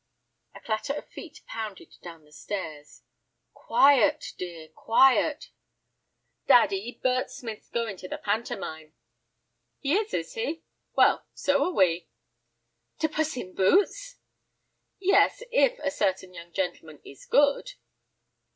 A clatter of feet pounded down the stairs. "Quiet, dear, quiet." "Daddy, Bert Smith's going to the pantomime." "He is, is he? Well, so are we." "To 'Puss in Boots'?" "Yes, if a certain young gentleman is good."